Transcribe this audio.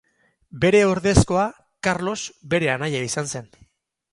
Bere ordezkoa Karlos bere anaia izan zen.